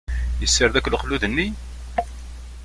Yessared akk leqlud-nni?